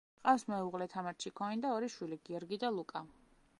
ჰყავს მეუღლე, თამარ ჩიქოვანი და ორი შვილი: გიორგი და ლუკა.